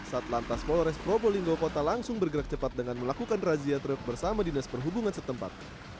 satlantas polores probolinggo kota langsung bergerak cepat dengan melakukan raziatrip bersama dinas perhubungan setempat